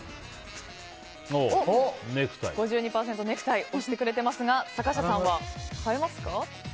５２％ネクタイを押してくれてますが坂下さんは変えますか？